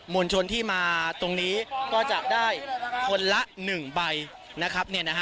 ลชนที่มาตรงนี้ก็จะได้คนละ๑ใบนะครับ